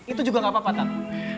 itu juga nggak apa apa tak